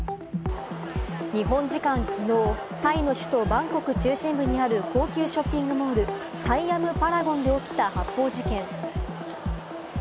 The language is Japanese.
日本時間きのう、タイの首都バンコク中心部にある高級ショッピングモール・サイアムパラゴンで起きた発砲事件。